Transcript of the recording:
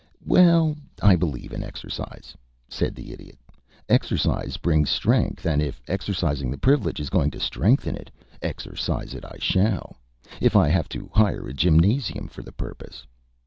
"Well, I believe in exercise," said the Idiot. "Exercise brings strength, and if exercising the privilege is going to strengthen it, exercise it I shall, if I have to hire a gymnasium for the purpose.